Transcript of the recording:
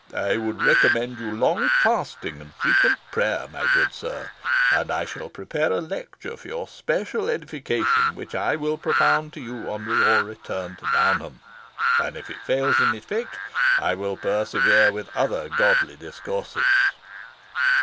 "I would recommend you long fasting and frequent prayer, my good sir, and I shall prepare a lecture for your special edification, which I will propound to you on your return to Downham, and, if it fails in effect, I will persevere with other godly discourses."